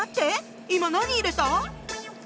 今何入れた？